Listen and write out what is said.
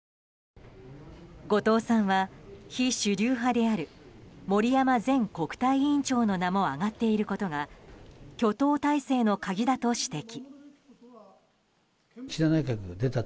後藤さんは非主流派である森山前国対委員長の名も挙がっていることが挙党体制の鍵だと指摘。